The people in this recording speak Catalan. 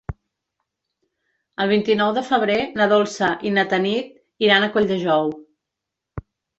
El vint-i-nou de febrer na Dolça i na Tanit iran a Colldejou.